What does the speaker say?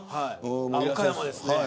岡山ですね。